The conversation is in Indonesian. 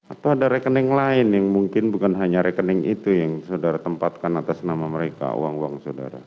atau ada rekening lain yang mungkin bukan hanya rekening itu yang saudara tempatkan atas nama mereka uang uang saudara